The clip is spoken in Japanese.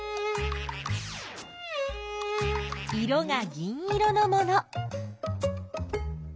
色が銀色のもの。